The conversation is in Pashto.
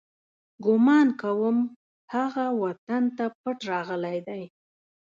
ګمان کوم، هغه وطن ته پټ راغلی دی.